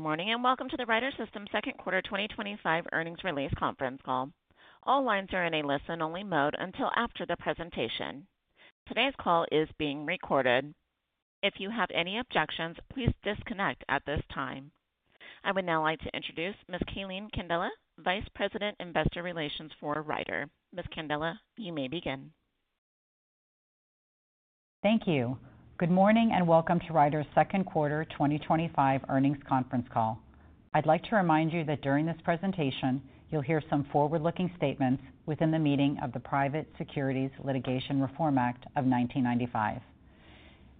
Morning, and welcome to the Ryder Systems Second Quarter twenty twenty five Earnings Release Conference Call. All lines are in a listen only mode until after the presentation. Today's call is being recorded. If you have any objections, please disconnect at this time. I would now like to introduce Ms. Kayleen Candela, Vice President, Investor Relations for Ryder. Ms. Candela, you may begin. Thank you. Good morning, and welcome to Ryder's second quarter twenty twenty five earnings conference call. I'd like to remind you that during this presentation, you'll hear some forward looking statements within the meaning of the Private Securities Litigation Reform Act of 1995.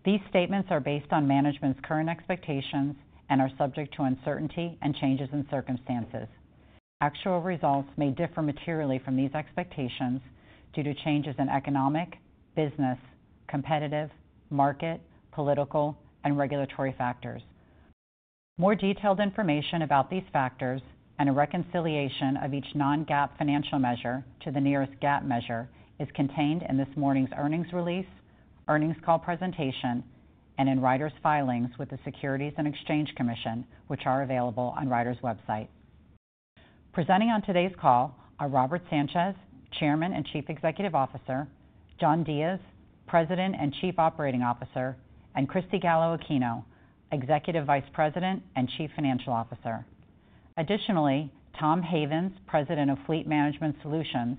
These statements are based on management's current expectations and are subject to uncertainty and changes in circumstances. Actual results may differ materially from these expectations due to changes in economic, business, competitive, market, political, and regulatory factors. More detailed information about these factors and a reconciliation of each non GAAP financial measure to the nearest GAAP measure is contained in this morning's earnings release, earnings call presentation and in Ryder's filings with the Securities and Exchange Commission, which are available on Ryder's website. Presenting on today's call are Robert Sanchez, chairman and chief executive officer John Diaz, president and chief operating officer and Christy Gallo Aquino, executive vice president and chief financial officer. Additionally, Tom Havens, president of Fleet Management Solutions,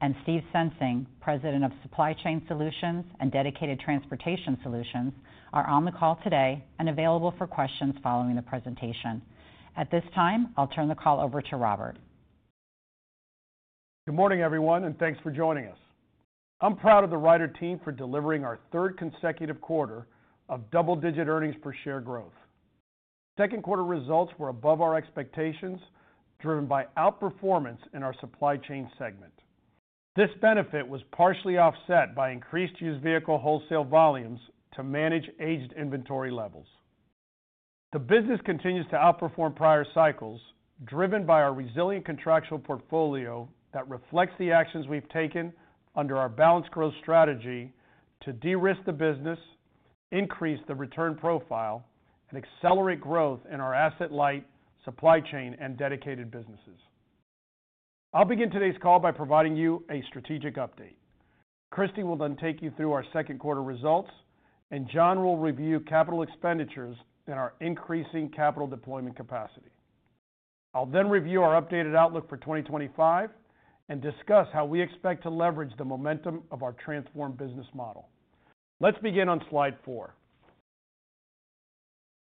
and Steve Sensing, president of Supply Chain Solutions and Dedicated Transportation Solutions, are on the call today and available for questions following the presentation. At this time, I'll turn the call over to Robert. Good morning, everyone, and thanks for joining us. I'm proud of the Ryder team for delivering our third consecutive quarter of double digit earnings per share growth. Second quarter results were above our expectations, driven by outperformance in our Supply Chain segment. This benefit was partially offset by increased used vehicle wholesale volumes to manage aged inventory levels. The business continues to outperform prior cycles, driven by our resilient contractual portfolio that reflects the actions we've taken under our balanced growth strategy to derisk the business, increase the return profile and accelerate growth in our asset light supply chain and dedicated businesses. I'll begin today's call by providing you a strategic update. Christy will then take you through our second quarter results, and John will review capital expenditures and our increasing capital deployment capacity. I'll then review our updated outlook for 2025 and discuss how we expect to leverage the momentum of our transformed business model. Let's begin on Slide four.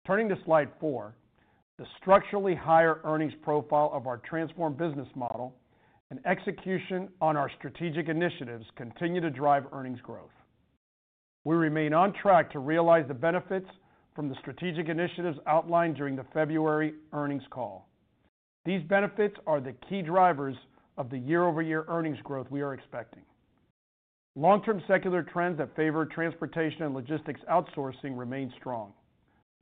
Turning to Slide four, the structurally higher earnings profile of our transformed business model and execution on our strategic initiatives continue to drive earnings growth. We remain on track to realize the benefits from the strategic initiatives outlined during the February earnings call. These benefits are the key drivers of the year over year earnings growth we are expecting. Long term secular trends that favor transportation and logistics outsourcing remain strong.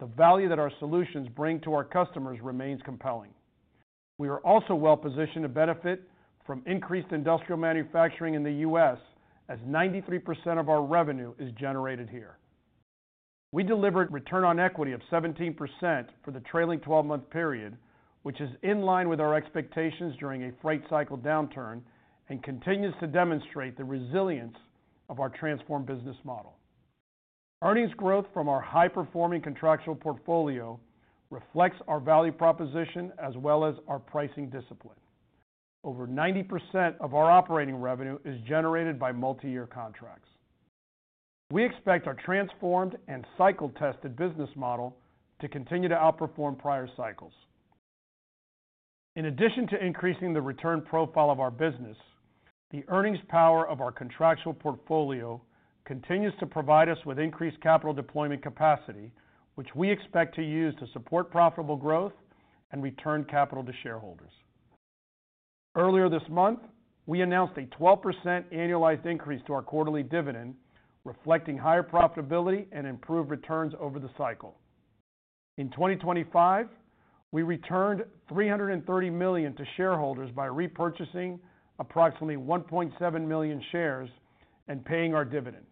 The value that our solutions bring to our customers remains compelling. We are also well positioned to benefit from increased industrial manufacturing in The U. S. As 93% of our revenue is generated here. We delivered return on equity of 17% for the trailing twelve month period, which is in line with our expectations during a freight cycle downturn and continues to demonstrate the resilience of our transformed business model. Earnings growth from our high performing contractual portfolio reflects our value proposition as well as our pricing discipline. Over 90% of our operating revenue is generated by multiyear contracts. We expect our transformed and cycle tested business model to continue to outperform prior cycles. In addition to increasing the return profile of our business, the earnings power of our contractual portfolio continues to provide us with increased capital deployment capacity, which we expect to use to support profitable growth and return capital to shareholders. Earlier this month, we announced a 12% annualized increase to our quarterly dividend, reflecting higher profitability and improved returns over the cycle. In 2025, we returned $330,000,000 to shareholders by repurchasing approximately 1,700,000.0 shares and paying our dividend.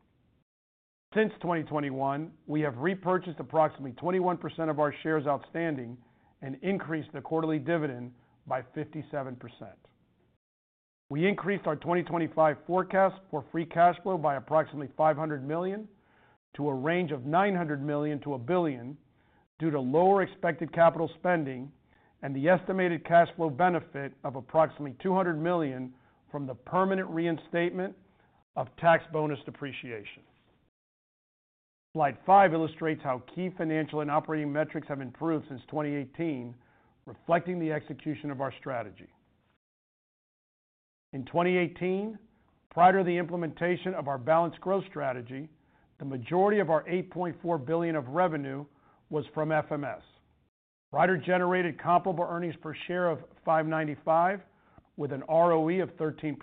Since 2021, we have repurchased approximately 21% of our shares outstanding and increased the quarterly dividend by 57%. We increased our 2025 forecast for free cash flow by approximately 500,000,000 to a range of $900,000,000 to $1,000,000,000 due to lower expected capital spending and the estimated cash flow benefit of approximately $200,000,000 from the permanent reinstatement of tax bonus depreciation. Slide five illustrates how key financial and operating metrics have improved since 2018, reflecting the execution of our strategy. In 2018, prior to the implementation of our balanced growth strategy, the majority of our $8,400,000,000 of revenue was from FMS. Ryder generated comparable earnings per share of $5.95 with an ROE of 13%.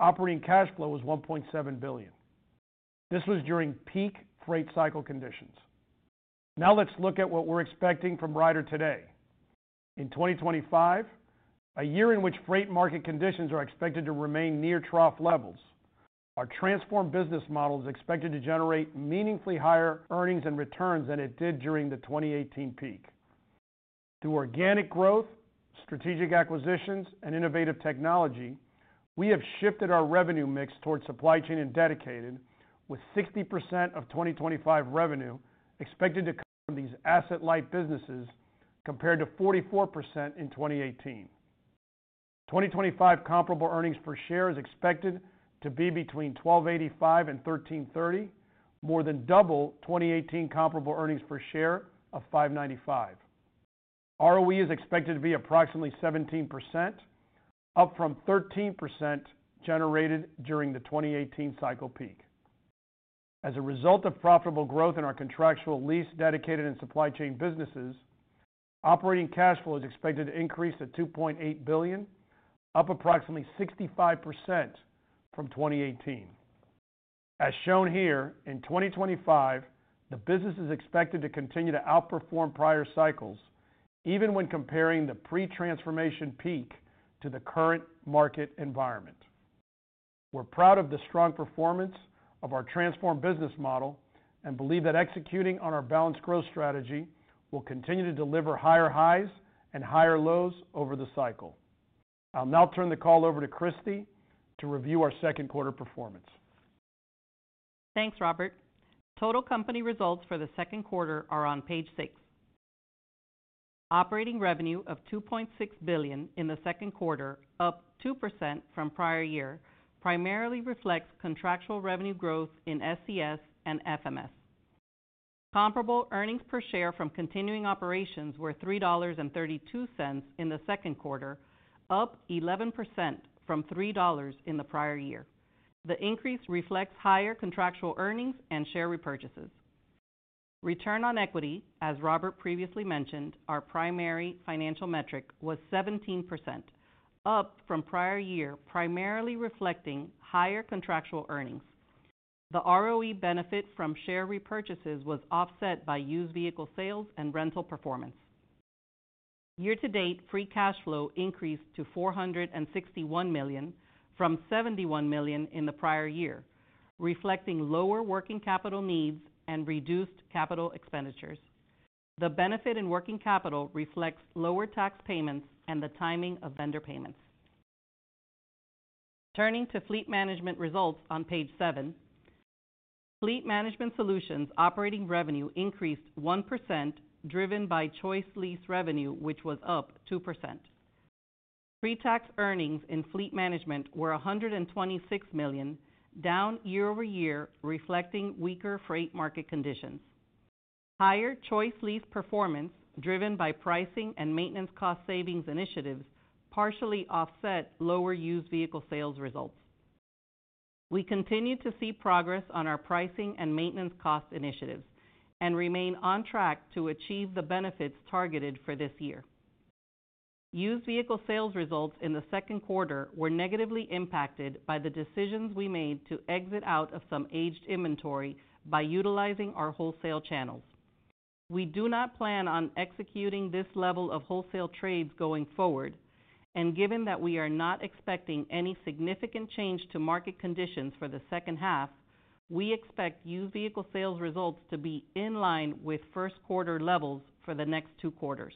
Operating cash flow was 1,700,000,000 This was during peak freight cycle conditions. Now let's look at what we're expecting from Ryder today. In 2025, a year in which freight market conditions are expected to remain near trough levels, our transformed business model is expected to generate meaningfully higher earnings and returns than it did during the 2018 peak. Through organic growth, strategic acquisitions and innovative technology, we have shifted our revenue mix towards supply chain and dedicated with 60% of 2025 revenue expected to come from these asset light businesses compared to 44% in 2018. 2025 comparable earnings per share is expected to be between $12.85 and $13.30, more than double 2018 comparable earnings per share of $5.95. ROE is expected to be approximately 17%, up from 13% generated during the 2018 cycle peak. As a result of profitable growth in our contractual lease, dedicated and supply chain businesses, operating cash flow is expected to increase to $2,800,000,000 up approximately 65% from 2018. As shown here, in 2025, the business is expected to continue to outperform prior cycles even when comparing the pre transformation peak to the current market environment. We're proud of the strong performance of our transformed business model and believe that executing on our balanced growth strategy will continue to deliver higher highs and higher lows over the cycle. I'll now turn the call over to Kristi to review our second quarter performance. Thanks, Robert. Total company results for the second quarter are on Page six. Operating revenue of $2,600,000,000 in the second quarter, up 2% from prior year, primarily reflects contractual revenue growth in SCS and FMS. Comparable earnings per share from continuing operations were $3.32 in the second quarter, up 11% from $3 in the prior year. The increase reflects higher contractual earnings and share repurchases. Return on equity, as Robert previously mentioned, our primary financial metric, was 17%, up from prior year, primarily reflecting higher contractual earnings. The ROE benefit from share repurchases was offset by used vehicle sales and rental performance. Year to date, free cash flow increased to 461,000,000 from 71,000,000 in the prior year, reflecting lower working capital needs and reduced capital expenditures. The benefit in working capital reflects lower tax payments and the timing of vendor payments. Turning to fleet management results on page seven. Fleet Management Solutions operating revenue increased 1% driven by ChoiceLease revenue, which was up 2%. Pretax earnings in fleet management were a $126,000,000 down year over year, reflecting weaker freight market conditions. Higher choice lease performance driven by pricing and maintenance cost savings initiatives partially offset lower used vehicle sales results. We continue to see progress on our pricing and maintenance cost initiatives and remain on track to achieve the benefits targeted for this year. Used vehicle sales results in the second quarter were negatively impacted by the decisions we made to exit out of some aged inventory by utilizing our wholesale channels. We do not plan on executing this level of wholesale trades going forward. And given that we are not expecting any significant change to market conditions for the second half, we expect used vehicle sales results to be in line with first quarter levels for the next two quarters.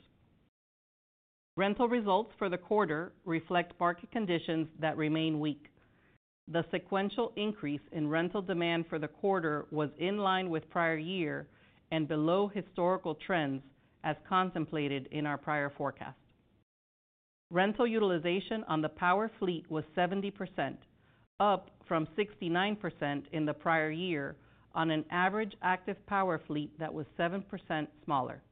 Rental results for the quarter reflect market conditions that remain weak. The sequential increase in rental demand for the quarter was in line with prior year and below historical trends as contemplated in our prior forecast. Rental utilization on the power fleet was 70%, up from 69% in the prior year on an average active power fleet that was 7% smaller.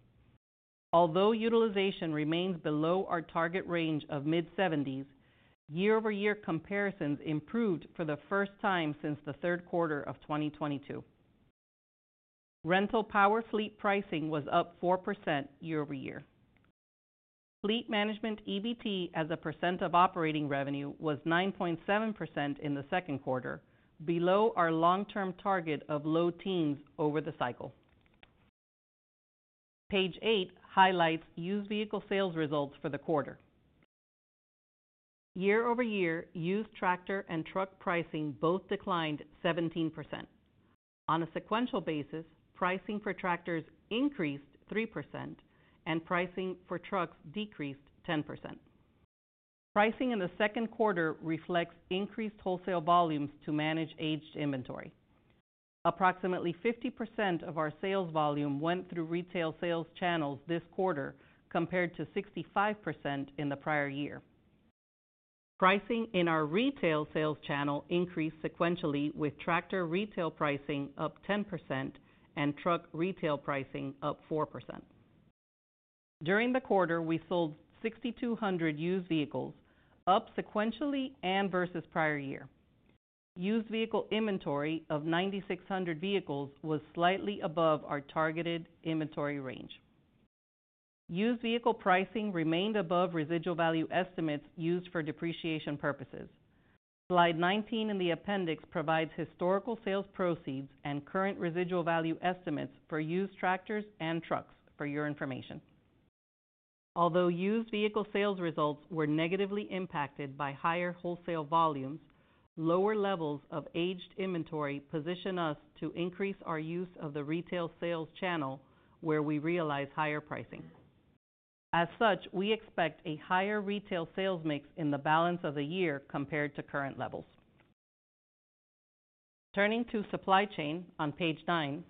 Although utilization remains below our target range of mid seventies, year over year comparisons improved for the first time since the third quarter of twenty twenty two. Rental power fleet pricing was up 4% year over year. Fleet management EBT as a percent of operating revenue was 9.7% in the second quarter, below our long term target of low teens over the cycle. Page eight highlights used vehicle sales results for the quarter. Year over year, used tractor and truck pricing both declined 17%. On a sequential basis, pricing for tractors increased 3%, and pricing for trucks decreased 10%. Pricing in the second quarter reflects increased wholesale volumes to manage aged inventory. Approximately 50% of our sales volume went through retail sales channels this quarter compared to 65% in the prior year. Pricing in our retail sales channel increased sequentially with tractor tractor retail pricing up 10% and truck retail pricing up 4%. During the quarter, we sold 6,200 used vehicles, up sequentially and versus prior year. Used vehicle inventory of 9,600 vehicles was slightly above our targeted inventory range. Used vehicle pricing remained above residual value estimates used for depreciation purposes. Slide 19 in the appendix provides historical sales proceeds and current residual value estimates for used tractors and trucks for your information. Although used vehicle sales results were negatively impacted by higher wholesale volumes, lower levels of aged inventory position us to increase our use of the retail sales channel where we realize higher pricing. As such, we expect a higher retail sales mix in the balance of the year compared to current levels. Turning to supply chain on page nine.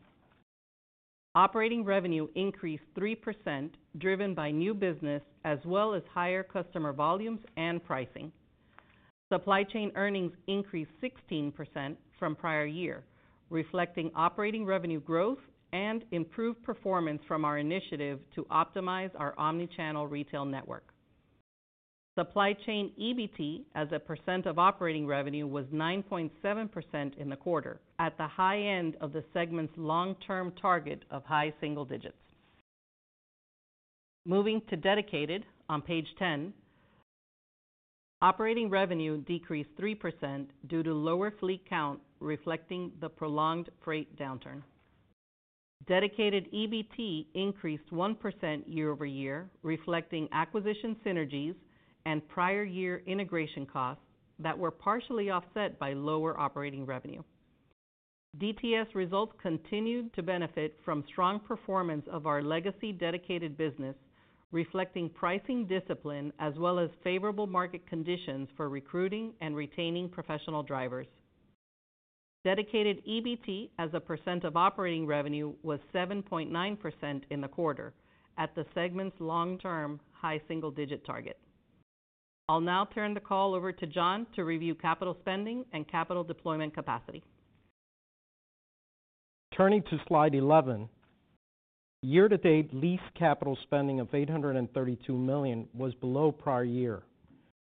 Operating revenue increased 3% driven by new business as well as higher customer volumes and pricing. Supply chain earnings increased 16% from prior year, reflecting operating revenue growth and improved performance from our initiative to optimize our omnichannel retail network. Supply chain EBT as a percent of operating revenue was 9.7% in the quarter, at the high end of the segment's long term target of high single digits. Moving to dedicated on page 10. Operating revenue decreased 3% due to lower fleet count reflecting the prolonged freight downturn. Dedicated EBT increased 1% year over year, reflecting acquisition synergies and prior year integration costs that were partially offset by lower operating revenue. DTS results continued to benefit from strong performance of our legacy dedicated business, reflecting pricing discipline as well as favorable market conditions for recruiting and retaining professional drivers. Dedicated EBT as a percent of operating revenue was 7.9 percent in the quarter at the segment's long term high single digit target. I'll now turn the call over to John to review capital spending and capital deployment capacity. Turning to Slide 11. Year to date lease capital spending of $832,000,000 was below prior year,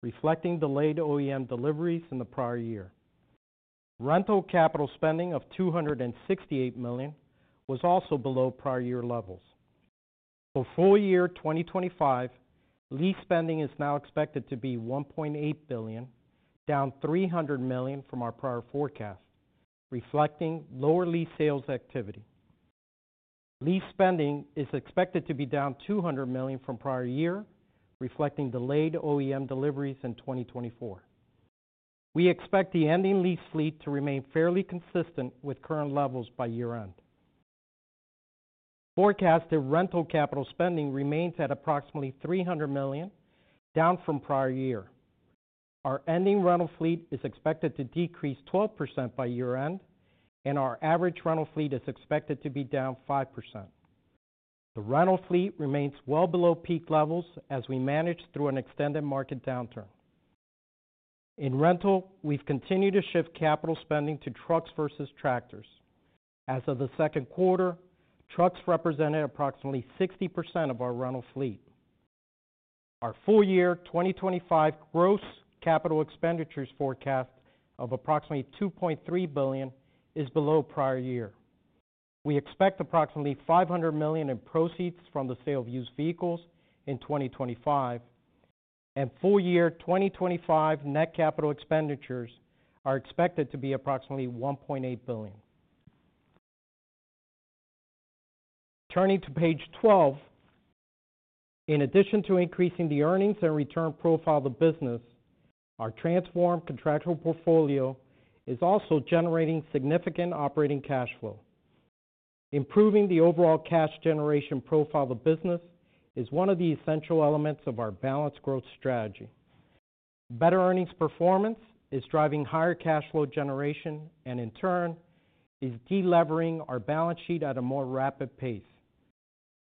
reflecting delayed OEM deliveries in the prior year. Rental capital spending of $268,000,000 was also below prior year levels. For full year 2025, lease spending is now expected to be 1,800,000,000.0 down $300,000,000 from our prior forecast, reflecting lower lease sales activity. Lease spending is expected to be down $200,000,000 from prior year, reflecting delayed OEM deliveries in 2024. We expect the ending lease fleet to remain fairly consistent with current levels by year end. Forecasted rental capital spending remains at approximately $300,000,000 down from prior year. Our ending rental fleet is expected to decrease 12% by year end, and our average rental fleet is expected to be down 5%. The rental fleet remains well below peak levels as we manage through an extended market downturn. In rental, we've continued to shift capital spending to trucks versus tractors. As of the second quarter, trucks represented approximately 60% of our rental fleet. Our full year 2025 gross capital expenditures forecast of approximately $2,300,000,000 is below prior year. We expect approximately 500,000,000 in proceeds from the sale of used vehicles in 2025, and full year 2025 net capital expenditures are expected to be approximately $1,800,000,000 Turning to Page 12. In addition to increasing the earnings and return profile of the business, our transformed contractual portfolio is also generating significant operating cash flow. Improving the overall cash generation profile of the business is one of the essential elements of our balanced growth strategy. Better earnings performance is driving higher cash flow generation and, in turn, is delevering our balance sheet at a more rapid pace.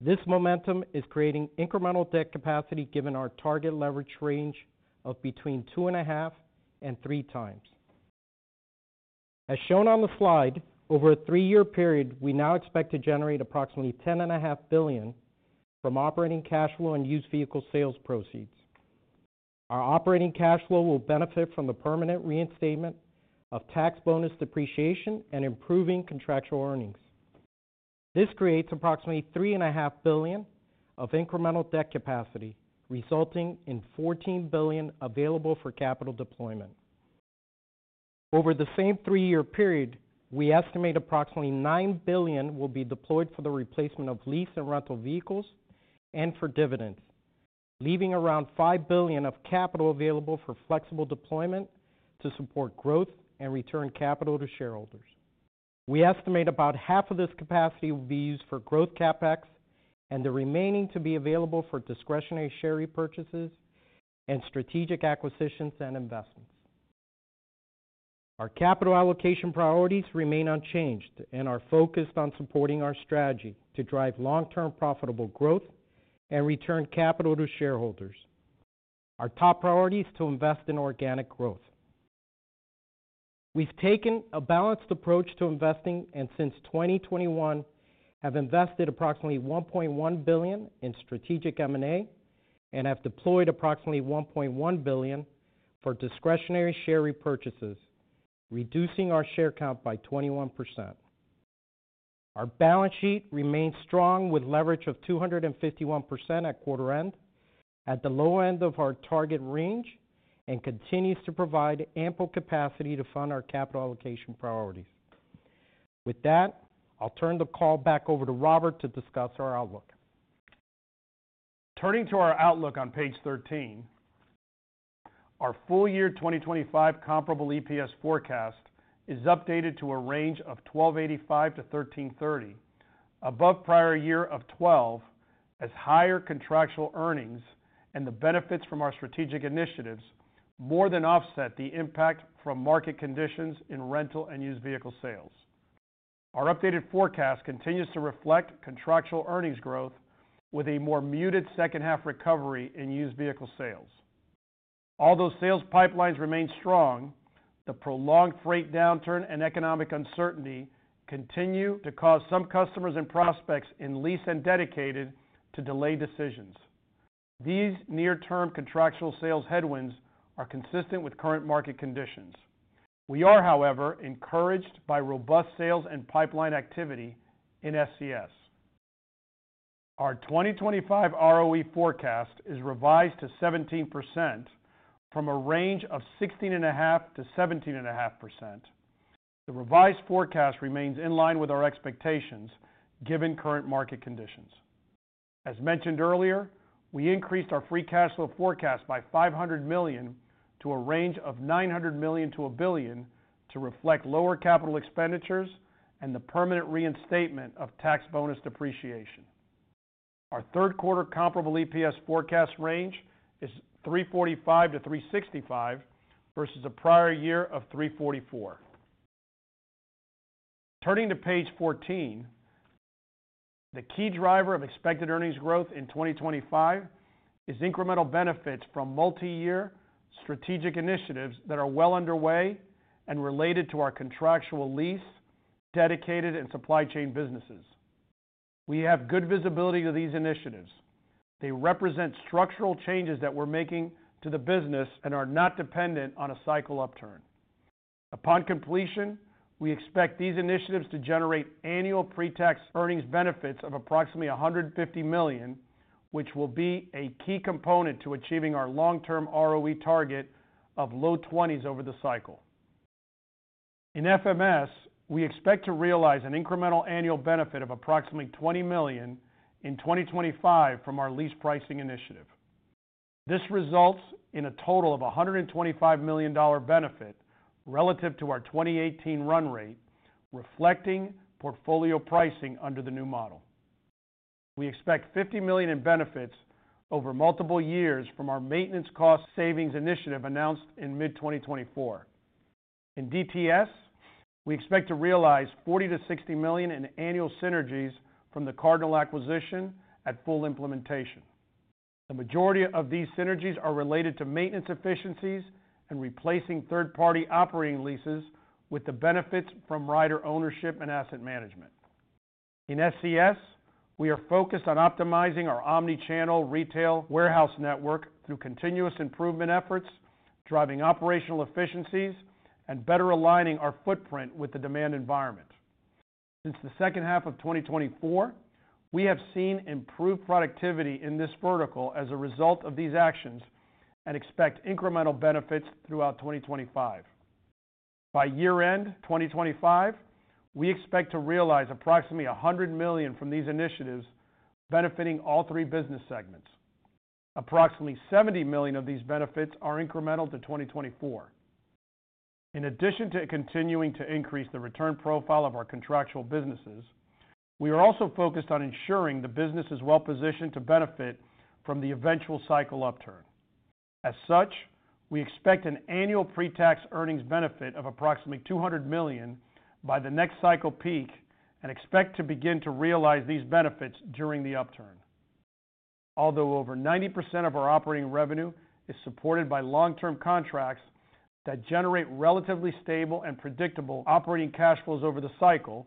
This momentum is creating incremental debt capacity given our target leverage range of between 2.5 and 3x. As shown on the slide, over a three year period, we now expect to generate approximately 10,500,000,000.0 from operating cash flow and used vehicle sales proceeds. Our operating cash flow will benefit from the permanent reinstatement of tax bonus depreciation and improving contractual earnings. This creates approximately $3,500,000,000 of incremental debt capacity, resulting in $14,000,000,000 available for capital deployment. Over the same three year period, we estimate approximately 9,000,000,000 will be deployed for the replacement of lease and rental vehicles and for dividends, leaving around $5,000,000,000 of capital available for flexible deployment to support growth and return capital to shareholders. We estimate about half of this capacity will be used for growth CapEx and the remaining to be available for discretionary share repurchases and strategic acquisitions and investments. Our capital allocation priorities remain unchanged and are focused on supporting our strategy to drive long term profitable growth and return capital to shareholders. Our top priority is to invest in organic growth. We've taken a balanced approach to investing and since 2021 have invested approximately 1,100,000,000.0 in strategic M and A and have deployed approximately 1,100,000,000.0 for discretionary share repurchases, reducing our share count by 21%. Our balance sheet remains strong with leverage of 251% at quarter end, at the low end of our target range and continues to provide ample capacity to fund our capital allocation priorities. With that, I'll turn the call back over to Robert to discuss our outlook. Turning to our outlook on Page 13. Our full year 2025 comparable EPS forecast is updated to a range of $12.85 to $13.3 above prior year of 12 as higher contractual earnings and the benefits from our strategic initiatives more than offset the impact from market conditions in rental and used vehicle sales. Our updated forecast continues to reflect contractual earnings growth with a more muted second half recovery in used vehicle sales. Although sales pipelines remain strong, the prolonged freight downturn and economic uncertainty continue to cause some customers and prospects in lease and dedicated to delay decisions. These near term contractual sales headwinds are consistent with current market conditions. We are, however, encouraged by robust sales and pipeline activity in SCS. Our 2025 ROE forecast is revised to 17% from a range of 16.5% to 17.5%. The revised forecast remains in line with our expectations given current market conditions. As mentioned earlier, we increased our free cash flow forecast by $500,000,000 to a range of $900,000,000 to $1,000,000,000 to reflect lower capital expenditures and the permanent reinstatement of tax bonus depreciation. Our third quarter comparable EPS forecast range is 3.45% to 3.65% versus the prior year of 3.44%. Turning to page 14. The key driver of expected earnings growth in 2025 is incremental benefits from multiyear strategic initiatives that are well underway and related to our contractual lease, dedicated and supply chain businesses. We have good visibility of these initiatives. They represent structural changes that we're making to the business and are not dependent on a cycle upturn. Upon completion, we expect these initiatives to generate annual pretax earnings benefits of approximately $150,000,000 which will be a key component to achieving our long term ROE target of low 20s over the cycle. In FMS, we expect to realize an incremental annual benefit of approximately $20,000,000 in 2025 from our lease pricing initiative. This results in a total of $125,000,000 benefit relative to our 2018 run rate, reflecting portfolio pricing under the new model. We expect $50,000,000 in benefits over multiple years from our maintenance cost savings initiative announced in mid-twenty twenty four. In DTS, we expect to realize 40,000,000 to $60,000,000 in annual synergies from the Cardinal acquisition at full implementation. The majority of these synergies are related to maintenance efficiencies and replacing third party operating leases with the benefits from rider ownership and asset management. In SCS, we are focused on optimizing our omnichannel retail warehouse network through continuous improvement efforts, driving operational efficiencies and better aligning our footprint with the demand environment. Since the second half of twenty twenty four, we have seen improved productivity in this vertical as a result of these actions and expect incremental benefits throughout 2025. By year end 2025, we expect to realize approximately $100,000,000 from these initiatives benefiting all three business segments. Approximately $70,000,000 of these benefits are incremental to 2024. In addition to continuing to increase the return profile of our contractual businesses, we are also focused on ensuring the business is well positioned to benefit from the eventual cycle upturn. As such, we expect an annual pretax earnings benefit of approximately $200,000,000 by the next cycle peak and expect to begin to realize these benefits during the upturn. Although over 90% of our operating revenue is supported by long term contracts that generate relatively stable and predictable operating cash flows over the cycle,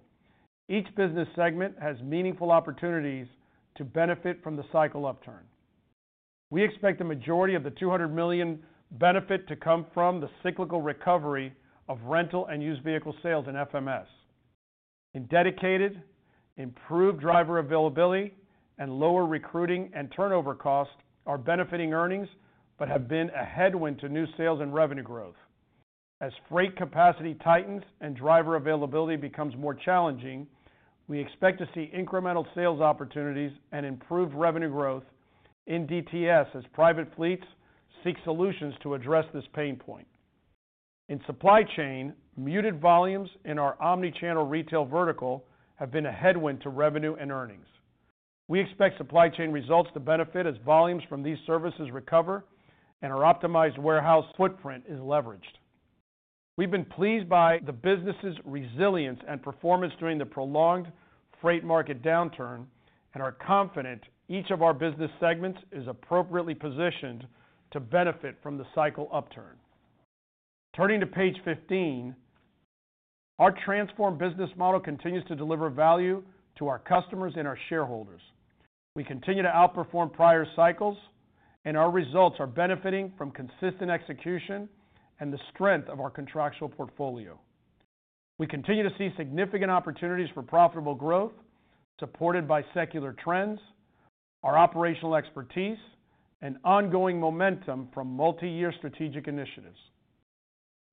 each business segment has meaningful opportunities to benefit from the cycle upturn. We expect the majority of the $200,000,000 benefit to come from the cyclical recovery of rental and used vehicle sales in FMS. In dedicated, improved driver availability and lower recruiting and turnover costs are benefiting earnings but have been a headwind to new sales and revenue growth. As freight capacity tightens and driver availability becomes more challenging, we expect to see incremental sales opportunities and improved revenue growth in DTS as private fleets seek solutions to address this pain point. In supply chain, muted volumes in our omnichannel retail vertical have been a headwind to revenue and earnings. We expect supply chain results to benefit as volumes from these services recover and our optimized warehouse footprint is leveraged. We've been pleased by the business' resilience and performance during the prolonged freight market downturn and are confident each of our business segments is appropriately positioned to benefit from the cycle upturn. Turning to Page 15. Our transformed business model continues to deliver value to our customers and our shareholders. We continue to outperform prior cycles, and our results are benefiting from consistent execution and the strength of our contractual portfolio. We continue to see significant opportunities for profitable growth, supported by secular trends, our operational expertise and ongoing momentum from multiyear strategic initiatives.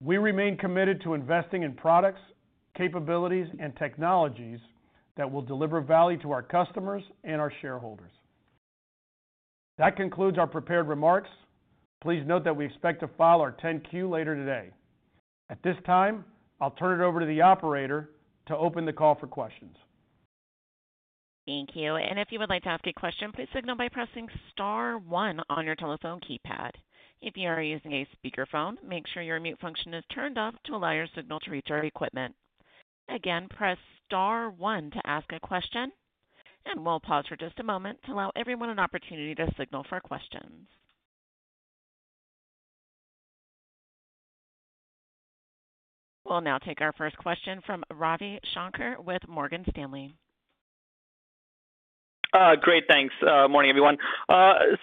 We remain committed to investing in products, capabilities and technologies that will deliver value to our customers and our shareholders. That concludes our prepared remarks. Please note that we expect to file our 10 Q later today. At this time, I'll turn it over to the operator to open the call for questions. Thank We'll now take our first question from Ravi Shanker with Morgan Stanley. Great, thanks. Good morning, everyone.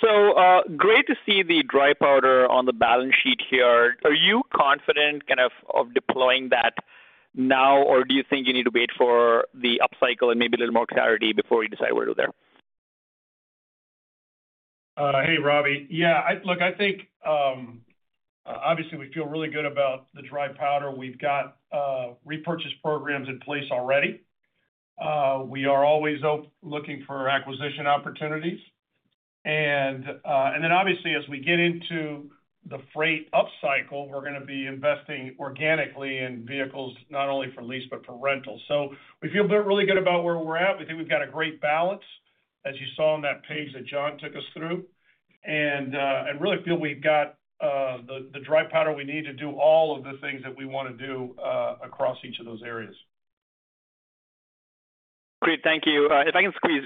So great to see the dry powder on the balance sheet here. Are you confident kind of of deploying that now? Or do you think you need to wait for the up cycle and maybe a little more clarity before you decide where to go there? Hey, Robbie. Yeah. I look. I think, obviously, we feel really good about the dry powder. We've got, repurchase programs in place already. We are always looking for acquisition opportunities. And, and then obviously, as we get into the freight up cycle, we're gonna be investing organically in vehicles, not only for lease but for rental. So we feel really good about where we're at. We think we've got a great balance as you saw on that page that John took us through. And, I really feel we've got, the the dry powder we need to do all of the things that we wanna do, across each of those areas. Great. Thank you. If I can squeeze,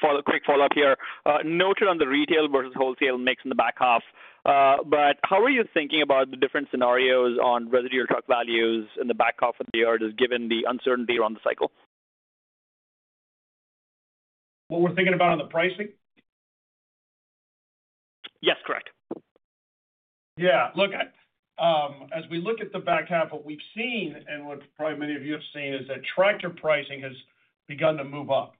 follow quick follow-up here. Noted on the retail versus wholesale mix in the back half. But how are you thinking about the different scenarios on whether your truck values in the back half of the year just given the uncertainty around the cycle? What we're thinking about on the pricing? Yes. Correct. Yeah. Look. As we look at the back half, what we've seen and what probably many of you have seen is that tractor pricing has begun to move up.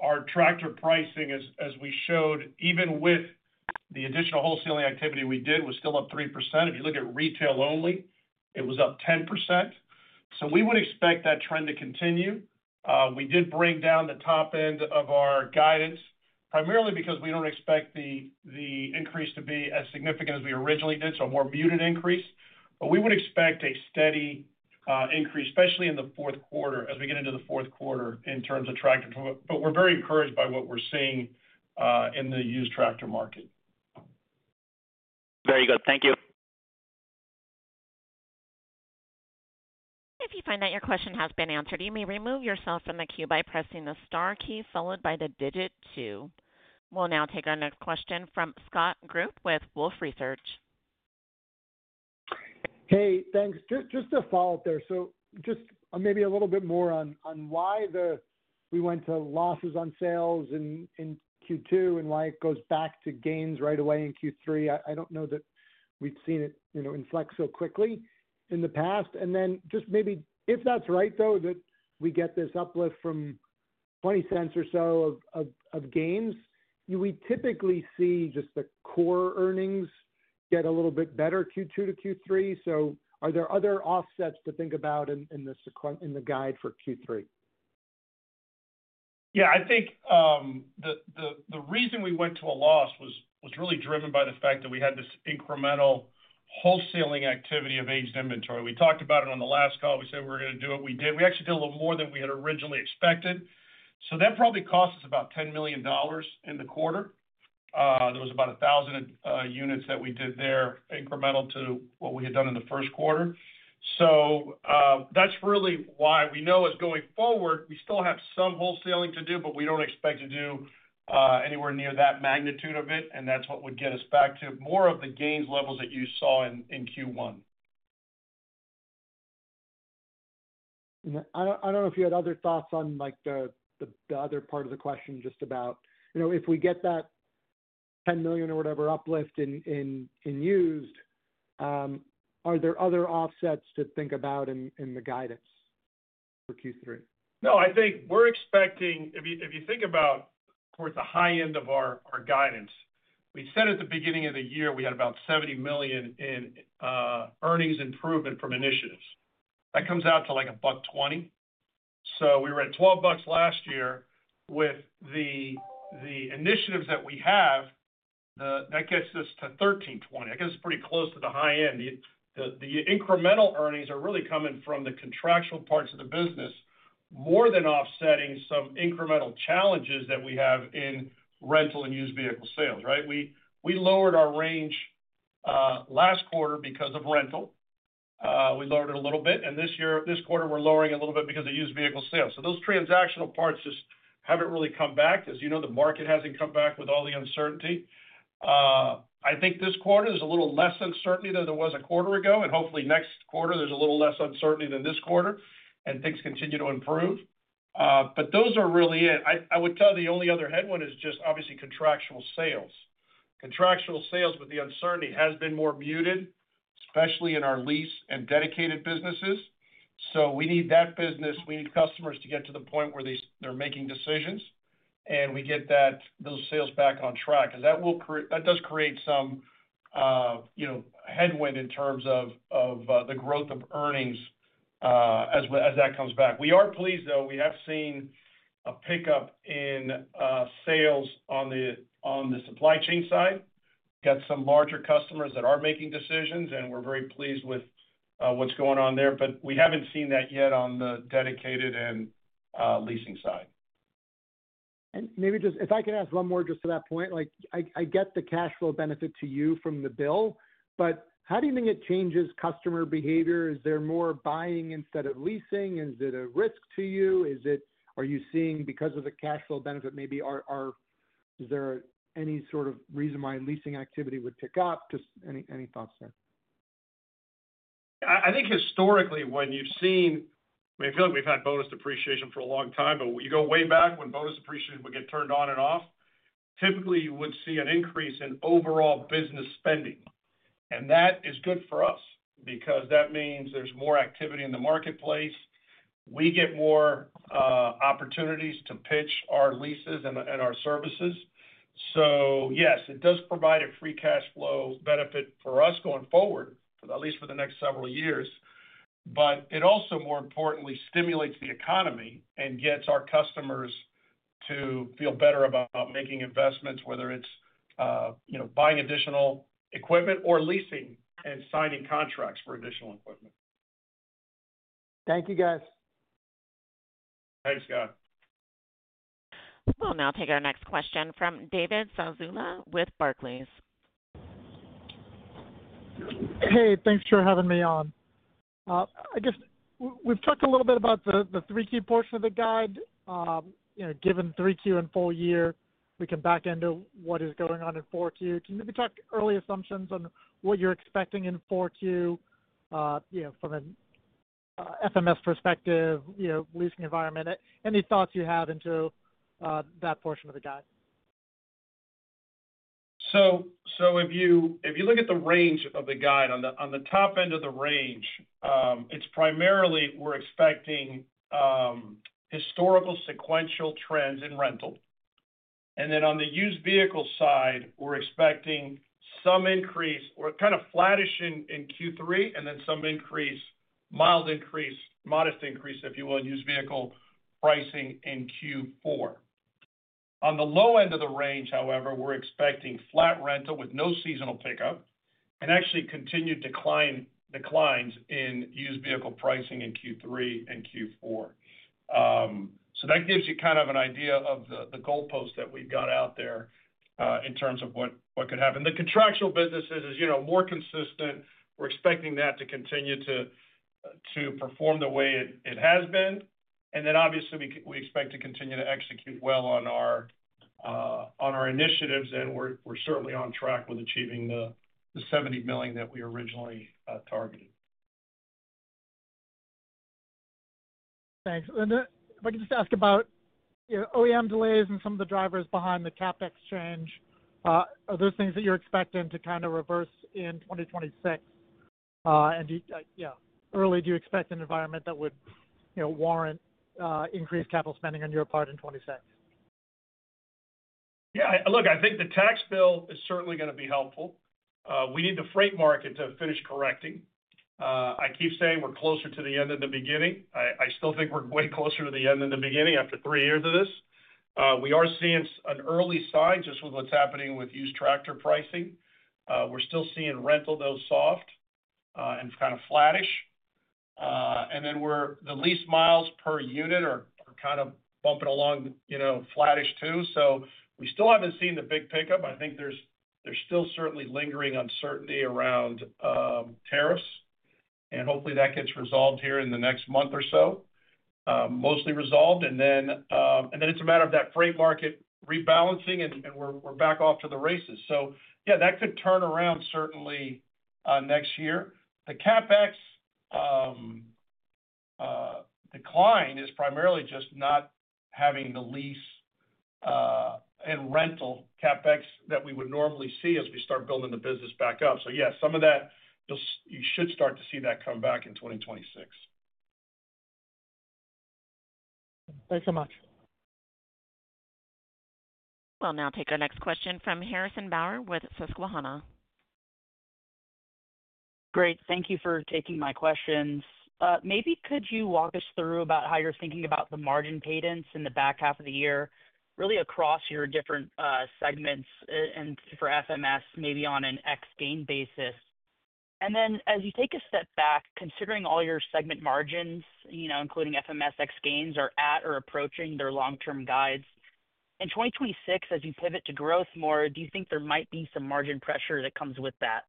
Our tractor pricing, as as we showed, even with the additional wholesaling activity we did, was still up 3%. If you look at retail only, it was up 10%. So we would expect that trend to continue. We did bring down the top end of our guidance, primarily because we don't expect the increase to be as significant as we originally did, so more muted increase. But we would expect a steady increase, especially in the fourth quarter as we get into the fourth quarter in terms of tractor. We're very encouraged by what we're seeing in the used tractor market. Very good. Thank If you find that your question has been answered, you may remove yourself from the queue by pressing the star key followed by the digit two. We'll now take our next question from Scott Group with Wolfe Research. Thanks. Just just a follow-up there. So just maybe a little bit more on on why the we went to losses on sales in in q two and why it goes back to gains right away in q three. I I don't know that we've seen it, you know, inflect so quickly in the past. And then just maybe if that's right, though, that we get this uplift from 20¢ or so of of of gains, we typically see just the core earnings get a little bit better q two to q three. So are there other offsets to think about in in the in the guide for q three? Yeah. I think the the the reason we went to a loss was was really driven by the fact that we had this incremental wholesaling activity of aged inventory. We talked about it on the last call. We said we're gonna do it. We did. We actually did a little more than we had originally expected. So that probably cost us about $10,000,000 in the quarter. There was about a thousand units that we did there incremental to what we had done in the first quarter. So that's really why we know as going forward, we still have some wholesaling to do, but we don't expect to do anywhere near that magnitude of it. And that's what would get us back to more of the gains levels that you saw in in q one. I don't I don't know if you had other thoughts on, like, the the the other part of the question just about, you know, if we get that 10,000,000 or whatever uplift in in in used, are there other offsets to think about in in the guidance for q three? No. I think we're expecting if you if you think about towards the high end of our our guidance, we said at the beginning of the year we had about 70,000,000 in, earnings improvement from initiatives. That comes out to like a buck 20. So we were at $12 last year With the the initiatives that we have, that gets us to $13.20. I guess it's pretty close to the high end. The the incremental earnings are really coming from the contractual parts of the business more than offsetting some incremental challenges that we have in rental and used vehicle sales. Right? We we lowered our range, last quarter because of rental. We lowered it a little bit. And this year this quarter, we're lowering a little bit because of used vehicle sales. So those transactional parts just haven't really come back. As you know, the market hasn't come back with all the uncertainty. I think this quarter is a little less uncertainty than there was a quarter ago. And hopefully, quarter, there's a little less uncertainty than this quarter, and things continue to improve. But those are really it. I I would tell the only other headwind is just obviously contractual sales. Contractual sales with the uncertainty has been more muted, especially in our lease and dedicated businesses. So we need that business. We need customers to get to the point where they they're making decisions, and we get that those sales back on track. Because that will create that does create some, you know, headwind in terms of of the growth of earnings as as that comes back. We are pleased, though. We have seen a pickup in sales on the on the supply chain side. Got some larger customers that are making decisions, and we're very pleased with what's going on there. But we haven't seen that yet on the dedicated and, leasing side. And maybe just if I can ask one more just to that point. Like, I I get the cash flow benefit to you from the bill, but how do you think it changes customer behavior? Is there more buying instead of leasing? Is it a risk to you? Is it are you seeing because of the cash flow benefit maybe or or is there any sort of reason why leasing activity would pick up? Just any any thoughts there. I I think historically, when you've seen we feel like we've had bonus depreciation for a long time, but when you go way back when bonus appreciation would get turned on and off, typically, you would see an increase in overall business spending. And that is good for us because that means there's more activity in the marketplace. We get more, opportunities to pitch our leases and and our services. So, yes, it does provide a free cash flow benefit for us going forward, at least for the next several years. But it also more importantly stimulates the economy and gets our customers to feel better about making investments, whether it's, you know, buying additional equipment or leasing and signing contracts for additional equipment. Thank you, guys. Thanks, Scott. We'll now take our next question from David Salzula with Barclays. I guess we've talked a little bit about the 3Q portion of the guide. Given 3Q and full year, we can back into what is going on in 4Q. Can you maybe talk early assumptions on what you're expecting in 4Q from an FMS perspective, leasing environment? Any thoughts you have into that portion of the guide? So so if you if you look at the range of the guide, on the on the top end of the range, it's primarily we're expecting, historical sequential trends in rental. And then on the used vehicle side, we're expecting some increase or kind of flattish in in q three and then some increase, mild increase, modest increase, if you will, in used vehicle pricing in q four. On the low end of the range, however, we're expecting flat rental with no seasonal pickup and actually continued decline declines in used vehicle pricing in q three and q four. So that gives you kind of an idea of the the goalpost that we've got out there in terms of what what could happen. The contractual businesses is, you know, more consistent. We're expecting that to continue to to perform the way it it has been. And then, obviously, we we expect to continue to execute well on our on our initiatives, and we're we're certainly on track with achieving the the 70,000,000 that we originally targeted. Thanks. And if I could just ask about OEM delays and some of the drivers behind the CapEx change. Are those things that you're expecting to kind of reverse in 2026? And do you yeah. Early, do you expect an environment that would, you know, warrant increased capital spending on your part in '26? Yeah. Look. I think the tax bill is certainly gonna be helpful. We need the freight market to finish correcting. I keep saying we're closer to the end than the beginning. I I still think we're way closer to the end than the beginning after three years of this. We are seeing an early sign just with what's happening with used tractor pricing. We're still seeing rental though soft and it's kind of flattish. And then we're the lease miles per unit are are kind of bumping along, you know, flattish too. So we still haven't seen the big pickup. I think there's there's still certainly lingering uncertainty around, tariffs. And hopefully, that gets resolved here in the next month or so, mostly resolved. And then, and then it's a matter of that freight market rebalancing, and and we're we're back off to the races. So, yeah, that could turn around certainly, next year. The CapEx decline is primarily just not having the lease, and rental CapEx that we would normally see as we start building the business back up. So, yes, some of that, just you should start to see that come back in 2026. Thanks so much. We'll now take our next question from Harrison Bauer with Susquehanna. Great. Thank you for taking my questions. Maybe could you walk us through about how you're thinking about the margin cadence in the back half of the year, really across your different segments and for FMS, on an ex gain basis? And then as you take a step back, considering all your segment margins, including FMS ex gains are at or approaching their long term guides. In 2026, as you pivot to growth more, do you think there might be some margin pressure that comes with that?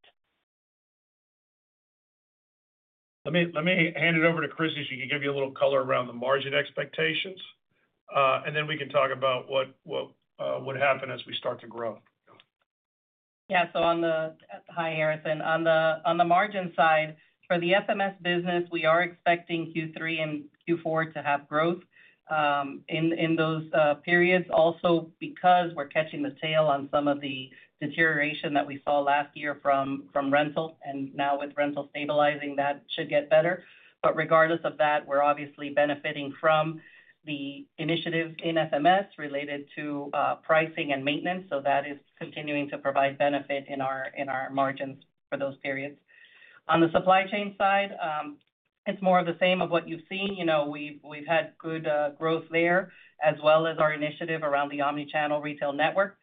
Let me let me hand it over to Chris so she can give you a little color around the margin expectations, and then we can talk about what what, would happen as we start to grow. Yeah. So on the hi, Harrison. On the on the margin side, for the SMS business, we are expecting q three and q four to have growth, in in those, periods also because we're catching the tail on some of the deterioration that we saw last year from from rental. And now with rental stabilizing, that should get better. But regardless of that, we're obviously benefiting from the initiative in SMS related to, pricing and maintenance, so that is continuing to provide benefit in our in our margins for those periods. On the supply chain side, it's more of the same of what you've seen. You know, we've we've had good, growth there as well as our initiative around the omnichannel retail network.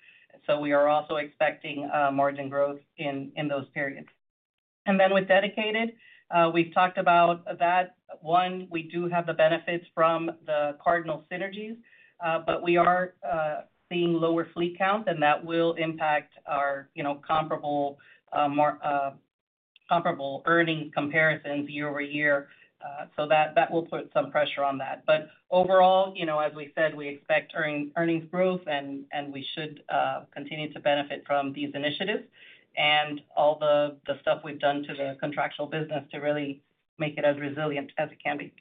So we are also expecting, margin growth in in those periods. And then with dedicated, we've talked about that. One, we do have the benefits from the Cardinal synergies, but we are, seeing lower fleet count, and that will impact our, you know, comparable, comparable earning comparisons year over year. So that that will put some pressure on that. But overall, you know, as we said, we expect earning earnings growth, and and we should continue to benefit from these initiatives and all the the stuff we've done to the contractual business to really make it as resilient as it can be.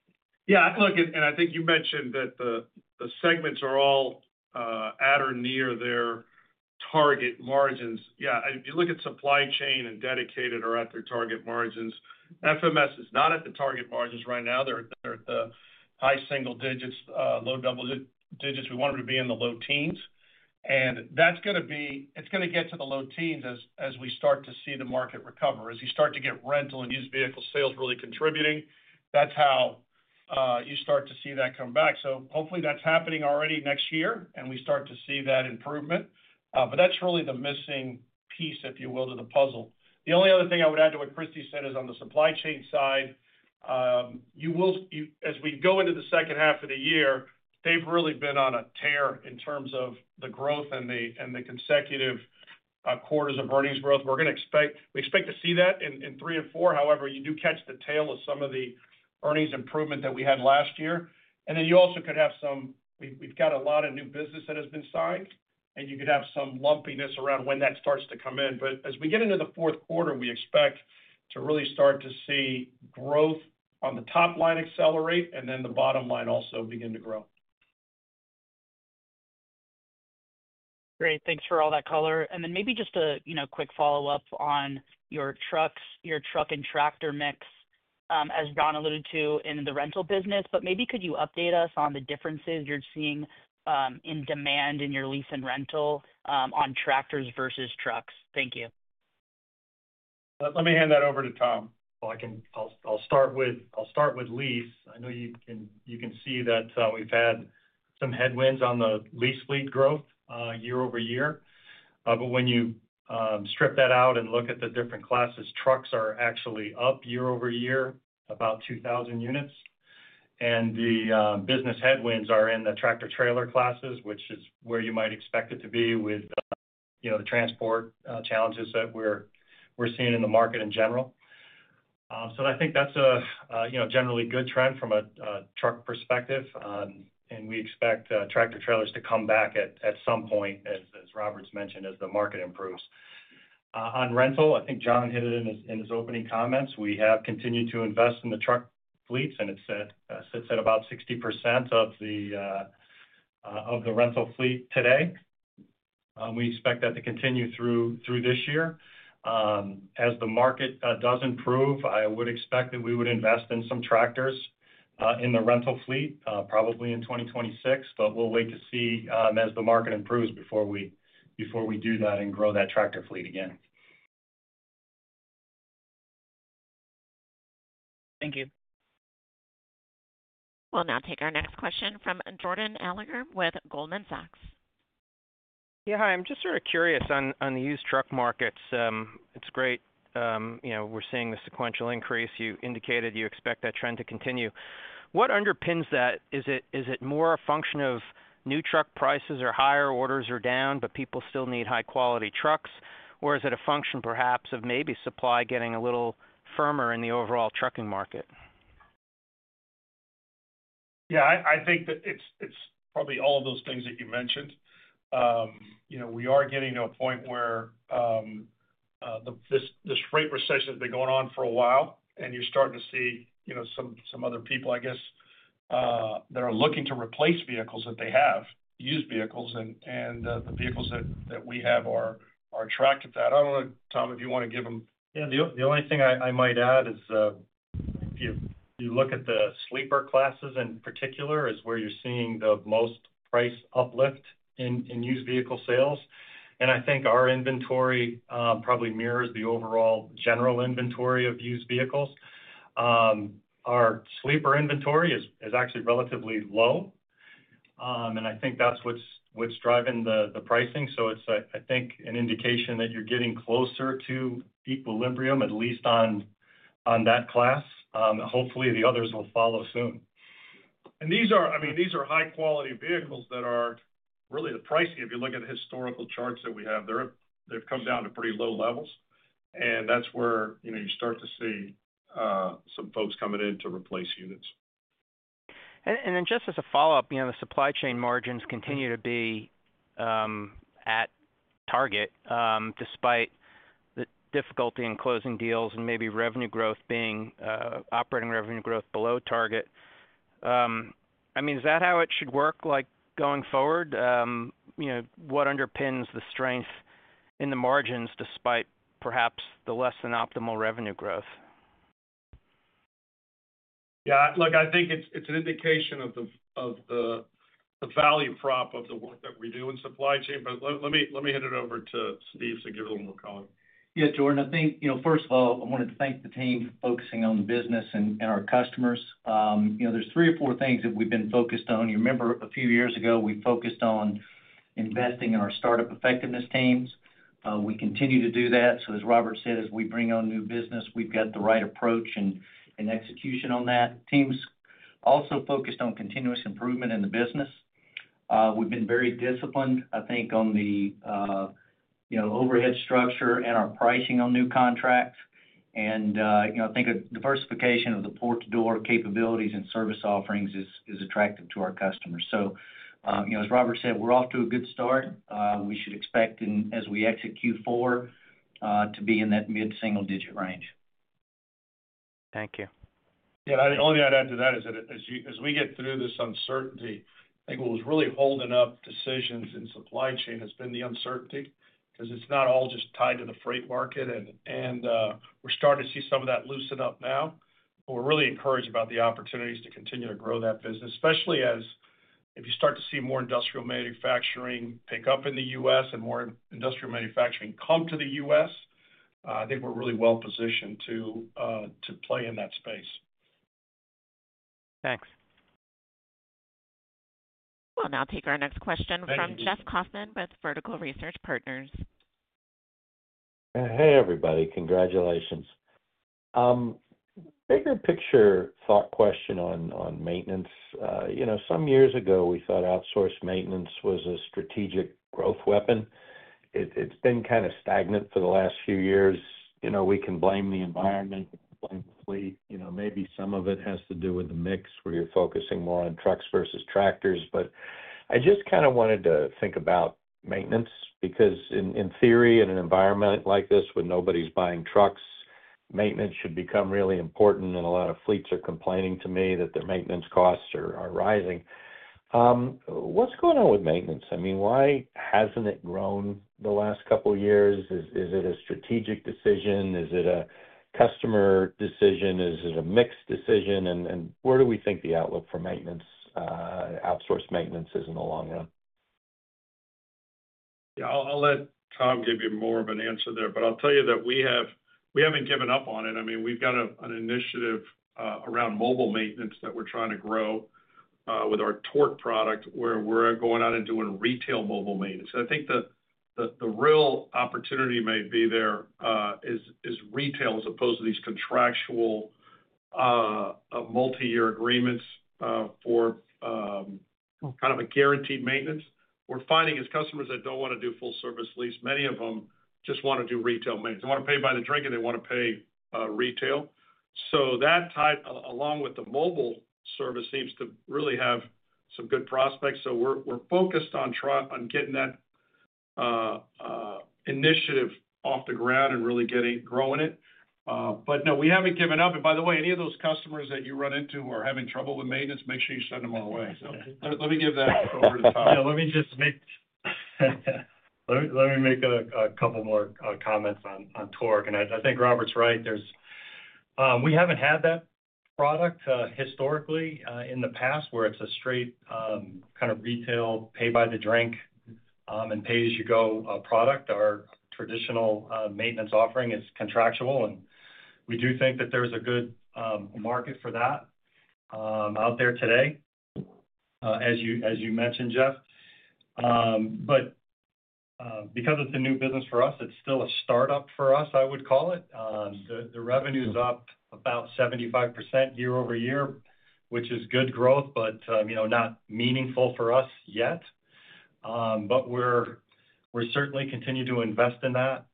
Yeah. Look. And and I think you mentioned that the the segments are all, at or near their target margins. Yeah. If you look at supply chain and dedicated are at their target margins, FMS is not at the target margins right now. They're at the high single digits, low double digits. We want them to be in the low teens. And that's going to be it's going to get to the low teens as as we start to see the market recover. As you start to get rental and used vehicle sales really contributing, that's how, you start to see that come back. So hopefully, that's happening already next year, and we start to see that improvement. But that's really the missing piece, if you will, to the puzzle. The only other thing I would add to what Christie said is on the supply chain side, you will as we go into the second half of the year, they've really been on a tear in terms of the growth and the and the consecutive quarters of earnings growth. We're gonna expect we expect to see that in in '3 and four. However, you do catch the tail of some of the earnings improvement that we had last year. And then you also could have some we've we've got a lot of new business that has been signed, you could have some lumpiness around when that starts to come in. But as we get into the fourth quarter, we expect to really start to see growth on the top line accelerate and then the bottom line also begin to grow. Great. Thanks for all that color. And then maybe just a quick follow-up on your trucks, your truck and tractor mix, as Don alluded to in the rental business. But maybe could you update us on the differences you're seeing in demand in your lease and rental on tractors versus trucks? Thank you. Let me hand that over to Tom. I can I'll I'll start with I'll start with lease. I know you can you can see that we've had some headwinds on the lease fleet growth year over year. But when you strip that out and look at the different classes, trucks are actually up year over year about 2,000 units. And the business headwinds are in the tractor trailer classes, which is where you might expect it to be with the transport challenges that we're seeing in the market in general. So I think that's a generally good trend from a truck perspective and we expect tractor trailers to come back at some point as Roberts mentioned as the market improves. On rental, I think John hit it in his opening comments. We have continued to invest in the truck fleets and it sits at about 60% of the rental fleet today. We expect that to continue through this year. As the market does improve, would expect that we would invest in some tractors in the rental fleet probably in 2026, but we'll wait to see as the market improves before we do that and grow that tractor fleet again. Thank you. We'll now take our next question from Jordan Alliger with Goldman Sachs. Yes. Hi. I'm just sort of curious on the used truck markets. It's great. We're seeing the sequential increase. You indicated you expect that trend to continue. What underpins that? Is it more a function of new truck prices or higher orders are down, but people still need high quality trucks? Or is it a function perhaps of maybe supply getting a little firmer in the overall trucking market? Yeah. I I think that it's it's probably all of those things that you mentioned. You know, we are getting to a point where the this this freight recession has been going on for a while, and you're starting to see, you know, some some other people, I guess, that are looking to replace vehicles that they have, used vehicles, and and, the vehicles that that we have are are attracted to that. I don't know, Tom, if you wanna give them. Yeah. The the only thing I I might add is if you look at the sleeper classes in particular is where you're seeing the most price uplift in in used vehicle sales. And I think our inventory, probably mirrors the overall general inventory of used vehicles. Our sleeper inventory is is actually relatively low. And I think that's what's what's driving the the pricing. So it's, I I think, an indication that you're getting closer to equilibrium at least on on that class. Hopefully, the others will follow soon. And these are I mean, these are high quality vehicles that are really the pricey, if you look at the historical charts that we have, they're they've come down to pretty low levels. And that's where, you know, you start to see, some folks coming in to replace units. And and then just as a follow-up, you know, the supply chain margins continue to be, at target despite the difficulty in closing deals and maybe revenue growth being operating revenue growth below target. I mean, is that how it should work like going forward? What underpins the strength in the margins despite perhaps the less than optimal revenue growth? Yeah. Look. I think it's it's an indication of the of the the value prop of the work that we do But let let me let me hand it over to Steve to give a little more color. Yeah, Jordan. I think, you know, first of all, I wanted to thank the team for focusing on the business and and our customers. You know, there's three or four things that we've been focused on. You remember a few years ago, we focused on investing in our start up effectiveness teams. We continue to do that. So as Robert said, as we bring on new business, we've got the right approach and and execution on that. Teams also focused on continuous improvement in the business. We've been very disciplined, I think, on the overhead structure and our pricing on new contracts. And I think diversification of the port to door capabilities and service offerings is attractive to our customers. As Robert said, we're off to a good start. We should expect as we exit Q4 to be in that mid single digit range. Thank you. Yes. The only thing I'd add to that is that as we get through this uncertainty, what was really holding up decisions in supply chain has been the uncertainty because it's not all just tied to the freight market. And and, we're starting to see some of that loosen up now. But we're really encouraged about the opportunities to continue to grow that business, especially as if you start to see more industrial manufacturing pick up in The US and more industrial manufacturing come to The US, I think we're really well positioned to, to play in that space. Thanks. We'll now take our next question from Jeff Kaufman with Vertical Research Partners. Hey, everybody. Congratulations. Bigger picture thought question on on maintenance. You know, some years ago, we thought outsourced maintenance was a strategic growth weapon. It it's been kinda stagnant for the last few years. You know, we can blame the environment, blame the fleet. You know, maybe some of it has to do with the mix where you're focusing more on trucks versus tractors. But I just kinda wanted to think about maintenance because in in theory, in an environment like this where nobody's buying trucks, maintenance should become really important, and a lot of fleets are complaining to me that their maintenance costs are are rising. What's going on with maintenance? I mean, why hasn't it grown the last couple years? Is is it a strategic decision? Is it a customer decision? Is it a mixed decision? And and where do we think the outlook for maintenance, outsourced maintenance is in the long run? Yeah. I'll I'll let Tom give you more of an answer there. But I'll tell you that we have we haven't given up on it. I mean, we've got an initiative, around mobile maintenance that we're trying to grow, with our TORQ product where we're going out and doing retail mobile maintenance. So I think the the the real opportunity may be there, is is retail as opposed to these contractual, multiyear agreements, for kind of a guaranteed maintenance. We're finding as customers that don't wanna do full service lease, many of them just wanna do retail maintenance. They wanna pay by the drink, and they wanna pay retail. So that type along with the mobile service seems to really have some good prospects. So we're we're focused on trying on getting that initiative off the ground and really getting growing it. But, no, we haven't given up. And by the way, any of those customers that you run into who are having trouble with maintenance, make sure you send them all away. So let let me give that over to Tom. Yeah. Let me just make let me let me make a a couple more comments on on Toric. And I I think Robert's right. There's we haven't had that product historically in the past where it's a straight kind of retail pay by the drink and pay as you go product. Our traditional maintenance offering is contractual, and we do think that there's a good market for that out there today as you as you mentioned, Jeff. But because it's a new business for us, it's still a start up for us, would call it. The the revenue is up about 75% year over year, which is good growth, but, you know, not meaningful for us yet. But we're we're certainly continue to invest in that.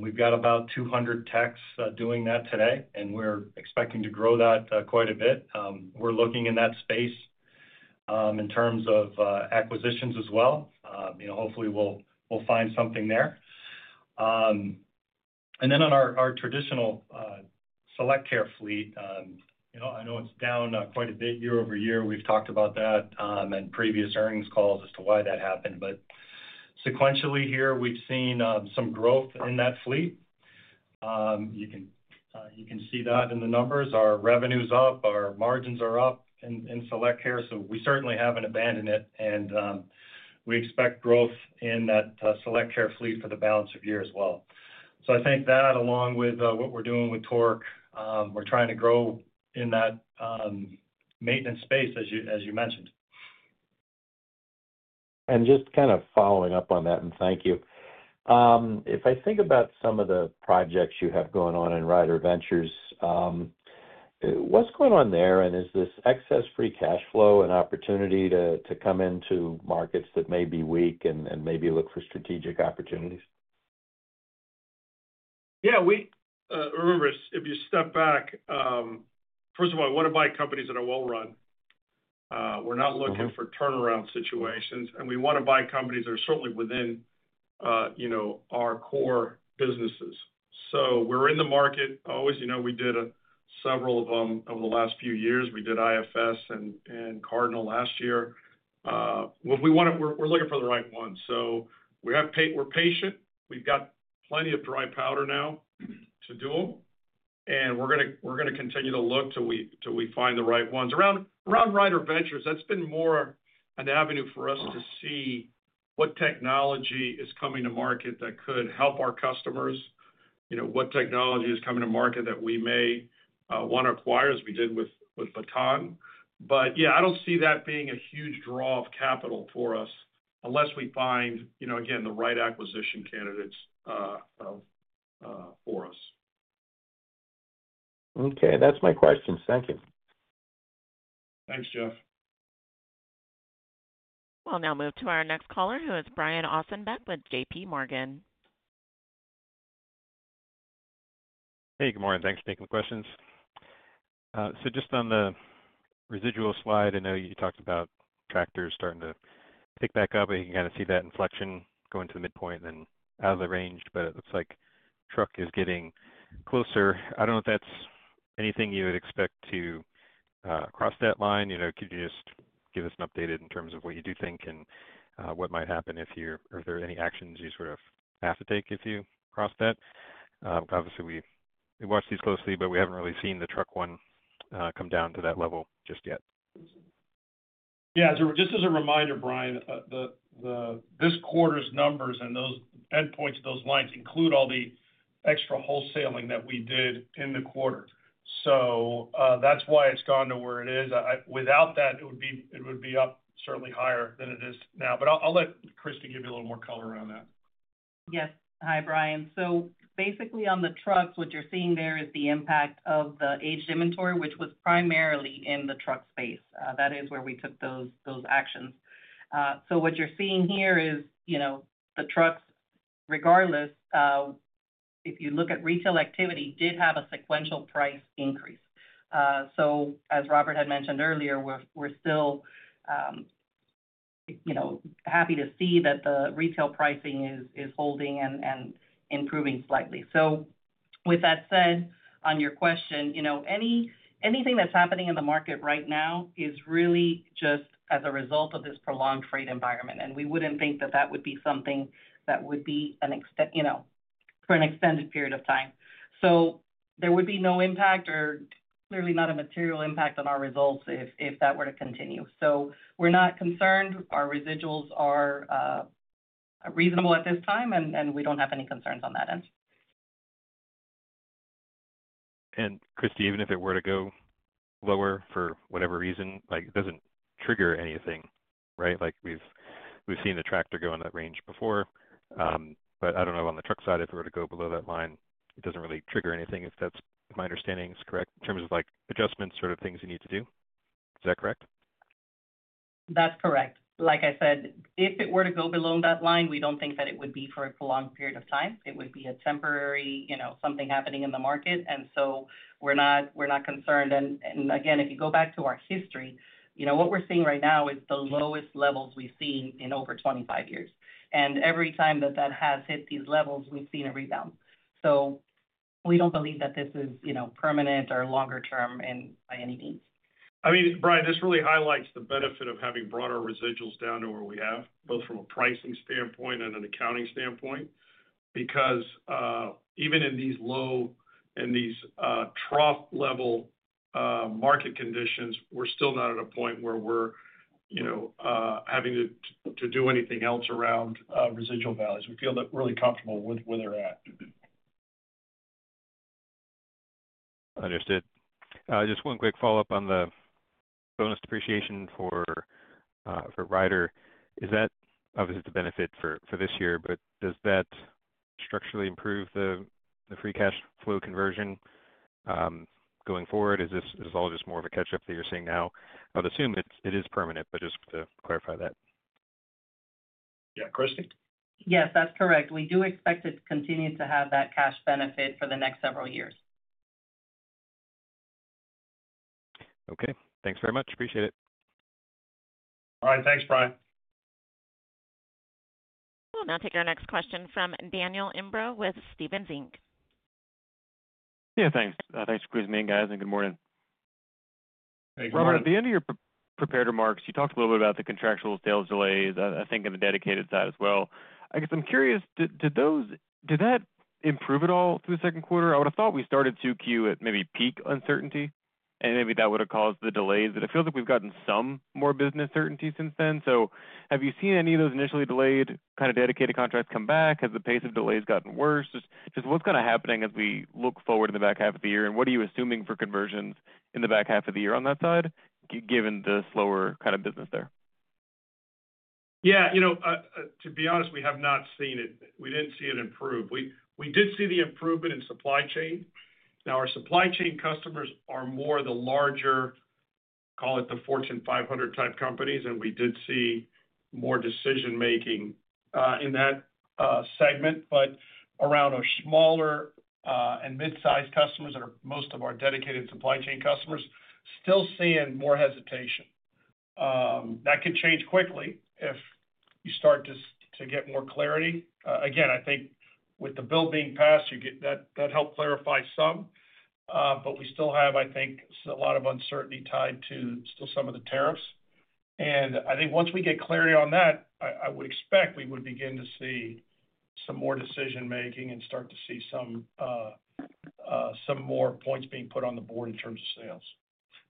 We've got about 200 techs doing that today, and we're expecting to grow that quite a bit. We're looking in that space in terms of acquisitions as well. Hopefully, we'll we'll find something there. And then on our traditional Select Care fleet, I know it's down quite a bit year over year. We've talked about that in previous earnings calls as to why that happened. But sequentially here, we've seen some growth in that fleet. You can see that in the numbers. Our revenue is up, our margins are up in Select Care. So we certainly haven't abandoned it and we expect growth in that Select Care fleet for the balance of year as well. So I think that along with, what we're doing with torque, we're trying to grow in that maintenance space as you as you mentioned. And just kind of following up on that, and thank you. If I think about some of the projects you have going on in Ryder Ventures, what's going on there? And is this excess free cash flow an opportunity to to come into markets that may be weak and and maybe look for strategic opportunities? Yeah. We remember, if you step back, first of all, wanna buy companies that are well run. We're not looking for turnaround situations, and we wanna buy companies that are certainly within, you know, our core businesses. So we're in the market. Always, you know, we did several of them over the last few years. We did IFS and and Cardinal last year. What we wanna we're we're looking for the right ones. So we have pay we're patient. We've got plenty of dry powder now to do them, and we're gonna we're gonna continue to look till we till we find the right ones. Around around Ryder Ventures, that's been more an avenue for us to see what technology is coming to market that could help our customers. You know, what technology is coming to market that we may, wanna acquire as we did with with Baton. But, yeah, I don't see that being a huge draw of capital for us unless we find, you know, again, the right acquisition candidates for us. Okay. That's my questions. Thank you. Thanks, Jeff. We'll now move to our next caller, who is Brian Ossenbeck with JPMorgan. Hey. Good morning. Thanks for taking the questions. So just on the residual slide, I know you talked about tractors starting to pick back up, you can kinda see that inflection going to the midpoint and then out of the range, but it looks like truck is getting closer. I don't know if that's anything you would expect to cross that line. You know, could you just give us an update in terms of what you do think and what might happen if you're or if there are any actions you sort of have to take if you cross that. Obviously, we we watch these closely, but we haven't really seen the truck one come down to that level just yet. Yeah. So just as a reminder, Brian, the the this quarter's numbers and those endpoints of those lines include all the extra wholesaling that we did in the quarter. So, that's why it's gone to where it is. Without that, it would be it would be up certainly higher than it is now. But I'll I'll let Christie give you a little more color on that. Yes. Hi, Brian. So, basically, on the trucks, what you're seeing there is the impact of the aged inventory, which was primarily in the truck space. That is where we took those those actions. So what you're seeing here is, you know, the trucks, regardless, if you look at retail activity, did have a sequential price increase. So as Robert had mentioned earlier, we're we're still, you know, happy to see that the retail pricing is is holding and and improving slightly. So with that said, on your question, you know, any anything that's happening in the market right now is really just as a result of this prolonged freight environment, and we wouldn't think that that would be something that would be an you know, for an extended period of time. So there would be no impact or clearly not a material impact on our results if if that were to continue. So we're not concerned. Our residuals are reasonable at this time, and and we don't have any concerns on that end. And, Christy, even if it were to go lower for whatever reason, like, doesn't trigger anything. Right? Like, we've we've seen the tractor go in that range before, but I don't know. On the truck side, if it were to go below that line, it doesn't really trigger anything if that's my understanding is correct in terms of, like, adjustments sort of things you need to do. Is that correct? That's correct. Like I said, if it were to go below that line, we don't think that it would be for a prolonged period of time. It would be a temporary, you know, something happening in the market, and so we're not we're not concerned. And and, again, if you go back to our history, you know, what we're seeing right now is the lowest levels we've seen in over twenty five years. And every time that that has hit these levels, we've seen a rebound. So we don't believe that this is, you know, permanent or longer term and by any means. I mean, Brian, this really highlights the benefit of having brought our residuals down to where we have, both from a pricing standpoint and an accounting standpoint. Because, even in these low in these, trough level market conditions, we're still not at a point where we're, you know, having to to do anything else around, residual values. We feel that really comfortable with where they're at. Understood. Just one quick follow-up on the bonus depreciation for, for Ryder. Is that obviously, it's a benefit for for this year, but does that structurally improve the the free cash flow conversion, going forward? Is this is this all just more of a catch up that you're seeing now? I'd assume it's it is permanent, but just to clarify that. Yeah. Christy? Yes. That's correct. We do expect it to continue to have that cash benefit for the next several years. Okay. Thanks very much. Appreciate it. All right. Thanks, Brian. We'll now take our next question from Daniel Imbro with Stephens Inc. Thanks. Thanks for squeezing me in, guys, and good morning. Robert. Robert, at the end of your prepared remarks, you talked a little bit about the contractual sales delays, I think, in the Dedicated side as well. I guess I'm curious, did those did that improve at all through the second quarter? I would have thought we started 2Q at maybe peak uncertainty, and maybe that would have caused the delays. But it feels like we've gotten some more business certainty since then. So have you seen any of those initially delayed kind of dedicated contracts come back? Has the pace of delays gotten worse? Just just what's kinda happening as we look forward in the back half of the year, and what are you assuming for conversions the back half of the year on that side given the slower kind of business there? Yes. To be honest, we have not seen it. We didn't see it improve. We did see the improvement in supply chain. Now our supply chain customers are more the larger, call it, the Fortune 500 type companies, and we did see more decision making in that segment. But around our smaller and mid sized customers that are most of our dedicated supply chain customers still seeing more hesitation. That could change quickly if you start just to get more clarity. Again, I think with the bill being passed, you get that that helped clarify some. But we still have, I think, a lot of uncertainty tied to still some of the tariffs. And I think once we get clarity on that, I I would expect we would begin to see some more decision making and start to see some, some more points being put on the board in terms of sales.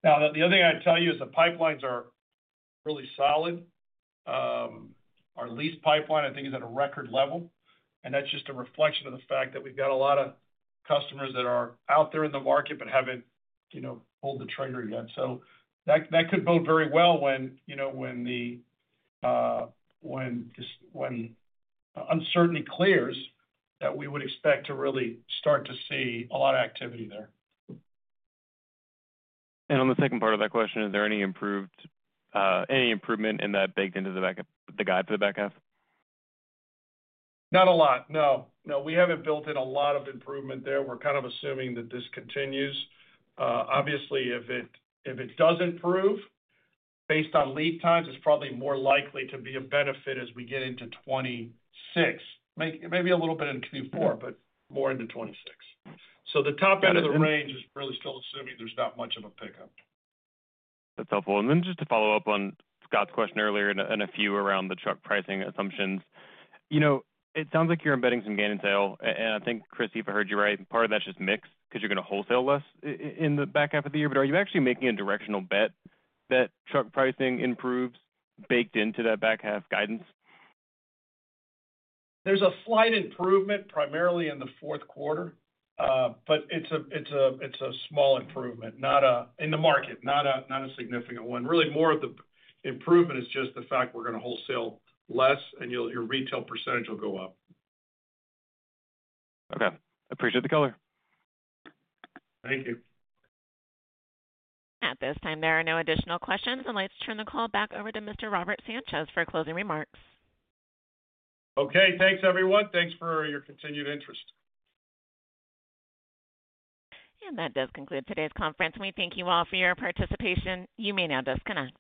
Now the the other thing I'd tell you is the pipelines are really solid. Our lease pipeline, I think, at a record level. And that's just a reflection of the fact that we've got a lot of customers that are out there in the market but haven't, you know, pulled the trigger yet. So that that could bode very well when, you know, when the, when this when uncertainty clears that we would expect to really start to see a lot of activity there. And on the second part of that question, is there any improved any improvement in that baked into the back the guide for the back half? Not a lot. No. No. We haven't built in a lot of improvement there. We're kind of assuming that this continues. Obviously, if it if it does improve based on lead times, it's probably more likely to be a benefit as we get into '26. May maybe a little bit in q four, but more into '26. So the top end of the range is really still assuming there's not much of a pickup. That's helpful. And then just to follow-up on Scott's question earlier and and a few around the truck pricing assumptions. You know, it sounds like you're embedding some gain in sale. And I think, Christy, if I heard you right, part of that's just mix because you're gonna wholesale less in the back half of the year. But are you actually making a directional bet that truck pricing improves baked into that back half guidance? There's a slight improvement primarily in the fourth quarter, but it's a it's a it's a small improvement, not a in the market, not a not a significant one. Really more of the improvement is just the fact we're gonna wholesale less and your retail percentage will go up. Okay. Appreciate the color. Thank you. At this time, there are no additional questions. I'd like to turn the call back over to Mr. Robert Sanchez for closing remarks. Okay. Thanks, everyone. Thanks for your continued interest. And that does conclude today's conference. We thank you all for your participation. You may now disconnect.